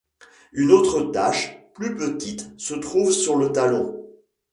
Une autre tache, plus petite, se trouve sur le talon.